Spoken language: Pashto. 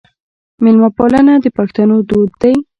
میلمه پالنه د پښتنو دود دی.